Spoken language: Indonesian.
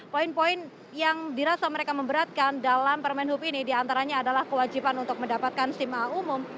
poin poin yang dirasa mereka memberatkan dalam permen hub ini diantaranya adalah kewajiban untuk mendapatkan sim a umum